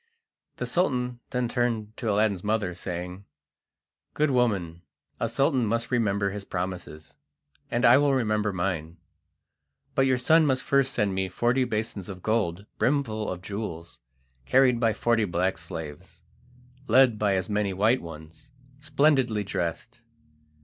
The Sultan then turned to Aladdin's mother, saying: "Good woman, a Sultan must remember his promises, and I will remember mine, but your son must first send me forty basins of gold brimful of jewels, carried by forty black slaves, led by as many white ones, splendidly dressed.